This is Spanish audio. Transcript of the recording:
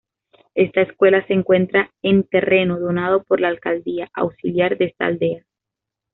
Esta escuela se encuentra en terreno donado por la Alcaldía Auxiliar de esta aldea.